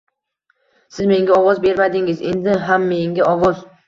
Siz menga ovoz bermadingiz, endi ham menga ovoz